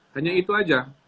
hanya itu aja